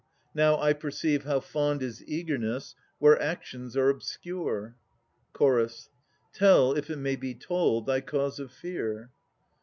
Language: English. Now I perceive how fond Is eagerness, where actions are obscure. CH. Tell, if it may be told, thy cause of fear.